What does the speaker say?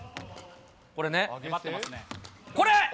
これね、これ！